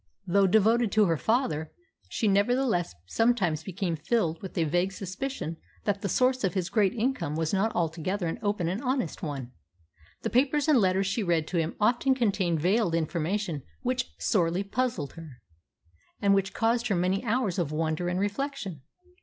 Though devoted to her father, she nevertheless sometimes became filled with a vague suspicion that the source of his great income was not altogether an open and honest one. The papers and letters she read to him often contained veiled information which sorely puzzled her, and which caused her many hours of wonder and reflection.